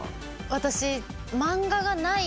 私。